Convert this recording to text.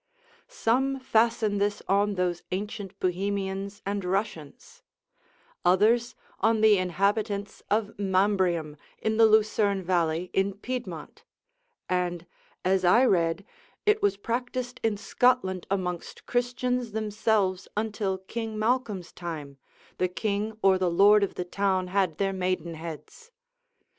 some fasten this on those ancient Bohemians and Russians: others on the inhabitants of Mambrium, in the Lucerne valley in Piedmont; and, as I read, it was practised in Scotland amongst Christians themselves, until King Malcolm's time, the king or the lord of the town had their maidenheads.